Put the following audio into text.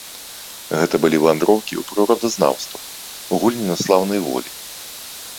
Гэта былі вандроўкі ў прыродазнаўства, гульні на слаўнай волі.